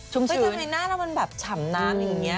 ชุ่มชื้นเฮ้ยทำไมหน้าเรามันแบบฉ่ำนานอย่างเงี้ย